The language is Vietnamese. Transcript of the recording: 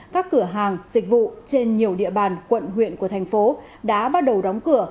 các cửa hàng dịch vụ trên nhiều địa bàn quận huyện của thành phố đã bắt đầu đóng cửa